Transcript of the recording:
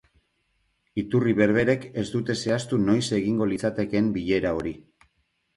Iturri berberek ez dute zehaztu noiz egingo litzatekeen bilera hori.